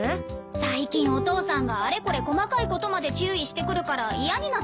最近お父さんがあれこれ細かいことまで注意してくるから嫌になっちゃうの。